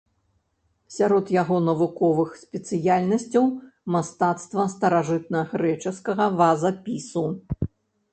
Сярод яго навуковых спецыяльнасцяў мастацтва старажытнагрэчаскага вазапісу.